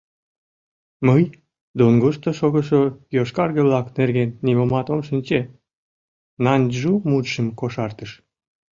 — Мый Дунгушто шогышо йошкарге-влак нерген нимомат ом шинче, — Нан Чжу мутшым кошартыш.